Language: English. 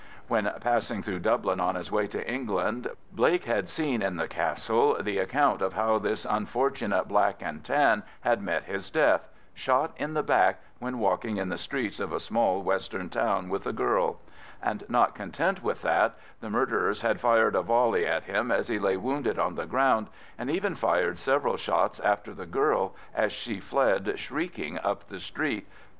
When passing through Dublin on his way to England, Blake had seen in the Castle the account of how this unfortunate Black and Tan had met his death—shot in the back when walking in the streets of a small western town with a girl; and not content with that, the murderers had fired a volley at him as he lay wounded on the ground, and even fired several shots after the girl as she fled shrieking up the street.